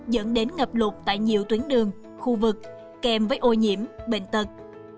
dẫn đến ngập lụt tại nhiều tuyến đường khu vực kèm với ô nhiễm bệnh tật